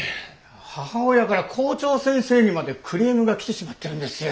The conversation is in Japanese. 母親から校長先生にまでクレームが来てしまってるんですよ。